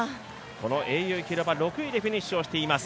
この英雄広場６位でフィニッシュをしています。